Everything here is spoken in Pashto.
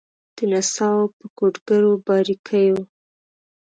د نڅاوو په کوډګرو باریکېو